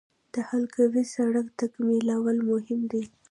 د حلقوي سړک تکمیلول مهم دي